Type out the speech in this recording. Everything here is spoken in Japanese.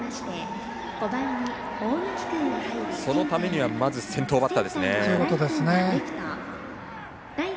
そのためにはまずは先頭バッターですね。